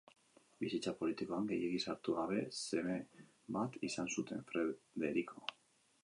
Bizitza politikoan gehiegi sartu gabe seme bat izan zuten, Frederiko.